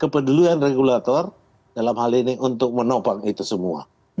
kepedulian regulator dalam hal ini untuk menopang itu semua